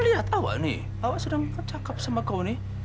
lihat awak ini awak sedang bercakap sama kau ini